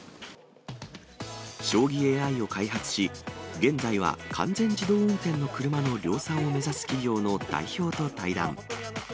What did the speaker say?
将棋ＡＩを開発し、現在は完全自動運転の車の量産を目指す企業の代表と対談。